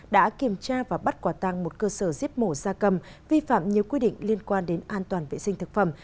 đã kiểm tra và bắt quả tăng một cơ sở giết mổ da cầm vi phạm nhiều quy định liên quan đến an toàn vệ sinh thực phẩm